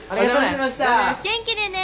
元気でね。